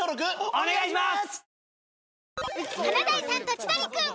お願いします！